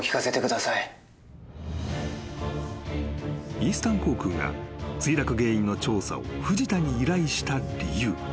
［イースタン航空が墜落原因の調査を藤田に依頼した理由。